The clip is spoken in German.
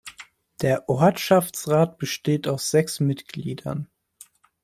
Der Ortschaftsrat besteht aus sechs Mitgliedern.